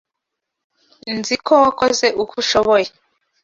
Nzi ko wakoze uko ushoboye.